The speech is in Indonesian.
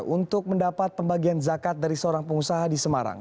untuk mendapat pembagian zakat dari seorang pengusaha di semarang